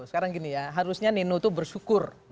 sekarang gini ya harusnya nino itu bersyukur